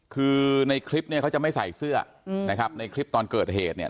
คือในคลิปเนี่ยเขาจะไม่ใส่เสื้อนะครับในคลิปตอนเกิดเหตุเนี่ย